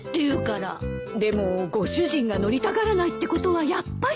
でもご主人が乗りたがらないってことはやっぱり。